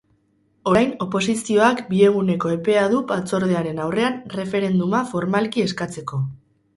Orain oposizioak bi eguneko epea du batzordearen aurrean referenduma formalki eskatzeko.